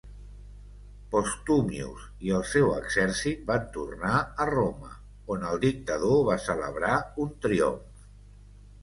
Postumius i el seu exèrcit van tornar a Roma, on el dictador va celebrar un triomf.